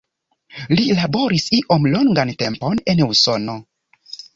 Li laboris iom longan tempon en Usono.